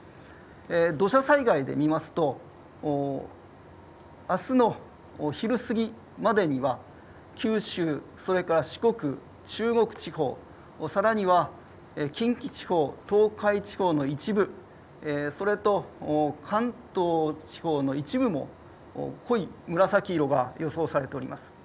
土砂災害で見るとあすの昼過ぎまでには九州、それから四国、中国地方、さらには近畿地方、東海地方の一部それと、関東地方の一部も濃い紫色が予想されております。